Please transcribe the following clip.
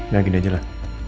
yakin aja lah